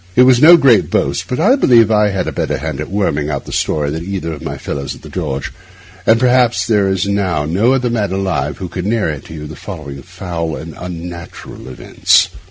It is no great boast, but I believe I was a better hand at worming out a story than either of my fellows at the George; and perhaps there is now no other man alive who could narrate to you the following foul and unnatural events.